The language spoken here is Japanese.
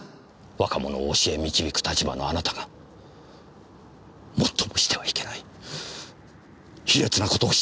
若者を教え導く立場のあなたが最もしてはいけない卑劣なことをしたんです！